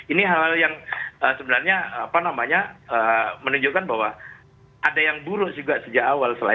ini hal hal yang sebenarnya menunjukkan bahwa ada yang buruk juga sejak awal